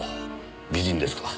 美人ですか？